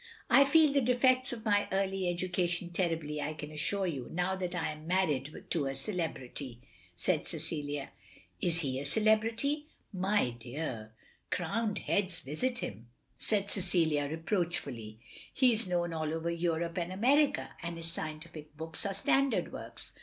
"I feel the defects of my early education terribly, I can assure you, now that I am married to a celebrity, " said Cecilia. "Is he a celebrity?" "My dear! Crowned heads visit him!" said 174 THE LONELY LADY Cecilia, reproachfully. "He is known all over Europe and America ; and his scientific books are standard works.